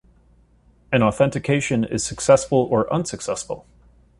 An authentication is successful or unsuccessful.